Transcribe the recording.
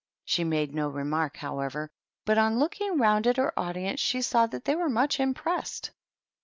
She made no re mark, however; but on looking round at her audience she saw that they were much impressed.